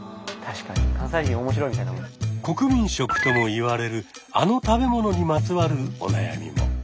国民食とも言われるあの食べ物にまつわるお悩みも。